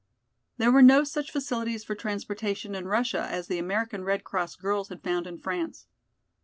There were no such facilities for transportation in Russia as the American Red Cross girls had found in France.